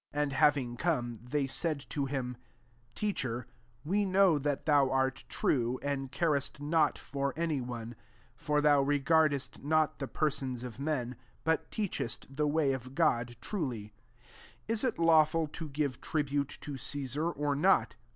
14 And having cotne, they said to him, " Teacher, we know that thou art true, and carest not for any one : for thou regardest not the persons of men, but teachest the way of God truly : Is it lawful to give tribute to Cesar, or not